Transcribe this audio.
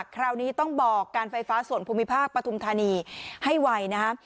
คราวนี้ต้องบอกการไฟฟ้าส่วนภูมิภาคปฐุมธานีให้ไวนะครับ